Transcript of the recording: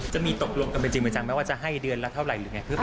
จะมีตกลงกันเป็นจริงประจำไหมว่าจะให้เดือนละเท่าไหร่หรือไง